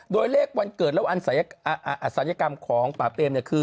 โดยเลขวันเกิดแล้วอาสัญกรรมของป่าเปรม